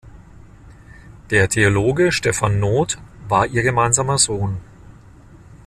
Der Theologe Stephan Noth war ihr gemeinsamer Sohn.